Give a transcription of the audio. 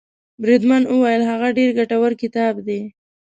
بریدمن وویل هغه ډېر ګټور کتاب دی.